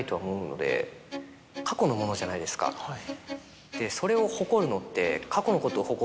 はい。